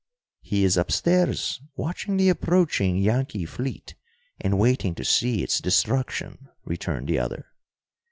"He is upstairs, watching the approaching Yankee fleet, and waiting to see its destruction," returned the other.